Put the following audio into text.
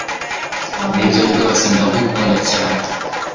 nibyo rwose ndagukunda cyane